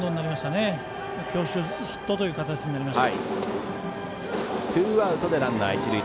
強襲ヒットという形になりました。